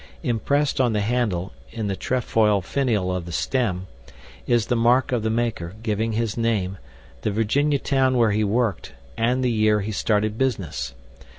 Impressed on the handle (in the trefoil finial of the stem) is the mark of the maker, giving his name, the Virginia town where he worked, and the year he started business.